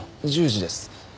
１０時です。